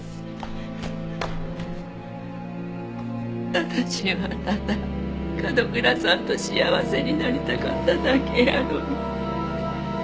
私はただ角倉さんと幸せになりたかっただけやのに。